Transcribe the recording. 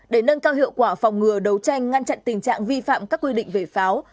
để nâng cao hiệu quả phòng ngừa đấu tranh ngăn chặn tình trạng vi phạm các quy định về pháo